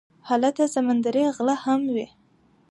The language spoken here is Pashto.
هلته سمندري غله هم وي.